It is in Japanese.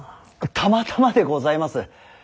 たまたまでございます。